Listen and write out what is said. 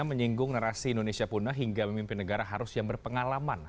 menyinggung narasi indonesia punah hingga memimpin negara harus yang berpengalaman